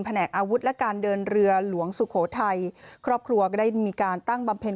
แหนกอาวุธและการเดินเรือหลวงสุโขทัยครอบครัวก็ได้มีการตั้งบำเพ็ญ